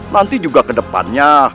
nanti juga kedepannya